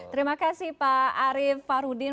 terima kasih pak arief farudin